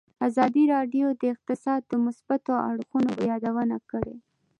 ازادي راډیو د اقتصاد د مثبتو اړخونو یادونه کړې.